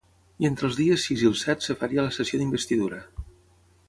I entre els dies sis i el set es faria la sessió d’investidura.